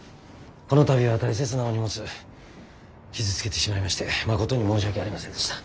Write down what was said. この度は大切なお荷物傷つけてしまいましてまことに申し訳ありませんでした。